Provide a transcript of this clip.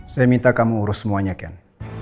saya minta kamu urus semuanya kan